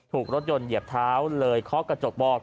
ถูกรถยนต์เหยียบเท้าเลยเคาะกระจกบอก